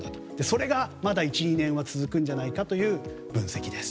それがまだ１２年は続くんじゃないかという分析です。